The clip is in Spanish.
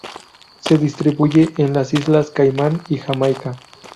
Se distribuye en las Islas Caimán y Jamaica.